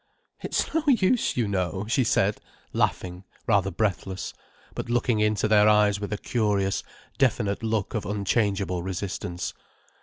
"It's no use, you know," she said, laughing rather breathless, but looking into their eyes with a curious definite look of unchangeable resistance.